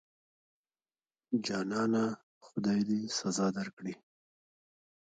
جانانه خدای دې سزا درکړي.